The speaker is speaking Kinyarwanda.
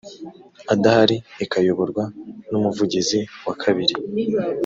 adahari ikayoborwa n umuvugizi wa kabiri